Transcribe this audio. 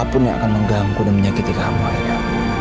apapun yang akan mengganggu dan menyakiti kamu ya